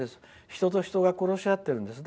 人と人とが殺し合っているんです。